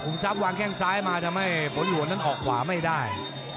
ทรัพย์วางแข้งซ้ายมาทำให้ผลหัวนั้นออกขวาไม่ได้